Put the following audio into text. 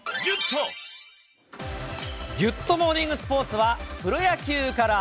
ギュッとモーニングスポーツは、プロ野球から。